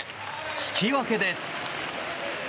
引き分けです。